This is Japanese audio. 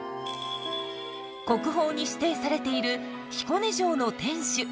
国宝に指定されている彦根城の天守。